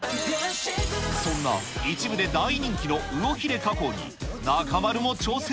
そんな一部で大人気のウオヒレ加工に、中丸も挑戦。